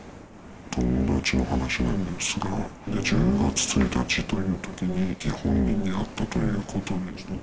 友達の話なんですが、１０月１日というときに、本人に会ったということで。